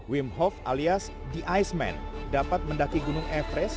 wim hoff alias the ice man dapat mendaki gunung everest